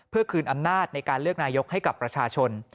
เพื่อคืนอำนาจในการเลือกนายกให้กับประชาชน